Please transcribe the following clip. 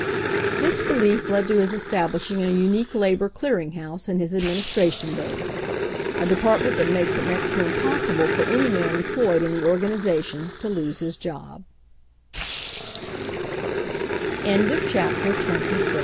This belief led to his establishing a unique labor clearing house in his administration building — a department that makes it next to impossible for any man employed in the organization to l